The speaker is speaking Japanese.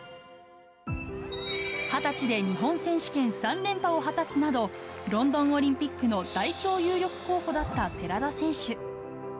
２０歳で日本選手権３連覇を果たすなど、ロンドンオリンピックの代表有力候補だった寺田選手。